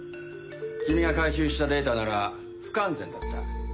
君が回収したデータなら不完全だった。